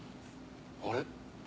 あれ？